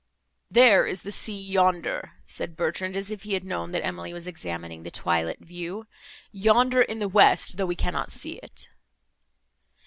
"There is the sea yonder," said Bertrand, as if he had known that Emily was examining the twilight view, "yonder in the west, though we cannot see it."